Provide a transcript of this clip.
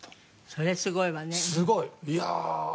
それはすごいわね。